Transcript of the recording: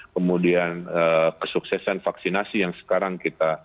kemudian kesuksesan vaksinasi yang sekarang kita